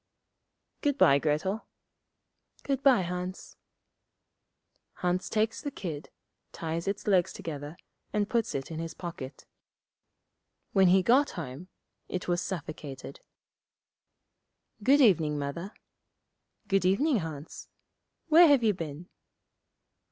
'Good bye, Grettel.' 'Good bye, Hans.' Hans takes the kid, ties its legs together, and puts it in his pocket. When he got home, it was suffocated. 'Good evening, Mother.' 'Good evening, Hans. Where have you been?'